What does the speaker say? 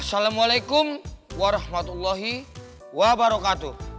assalamualaikum warahmatullahi wabarakatu